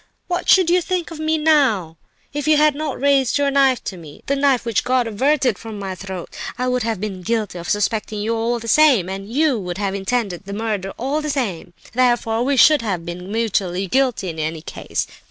What should you think of me now if you had not raised your knife to me—the knife which God averted from my throat? I would have been guilty of suspecting you all the same—and you would have intended the murder all the same; therefore we should have been mutually guilty in any case.